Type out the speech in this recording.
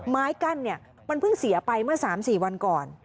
ไม้กั้นมันเพิ่งเสียไปเมื่อ๓๔วันก่อน